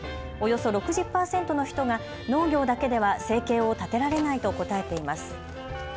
およそ６０％の人が農業だけでは生計を立てられないと答えています。